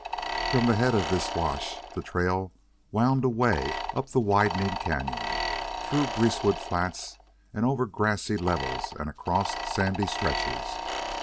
From the head of this wash the trail wound away up the widening cañon, through greasewood flats and over grassy levels and across sandy stretches.